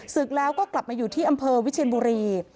ศึกแล้วก็กลับมาอยู่ที่อำเภอวิเชียนบุรี